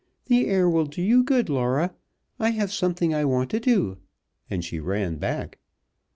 "The air will do you good, Laura. I have something I want to do," and she ran back.